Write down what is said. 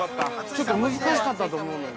◆ちょっと難しかったと思うのよ。